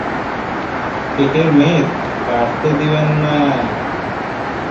পেটের মেদ বাড়তে দেবেন না।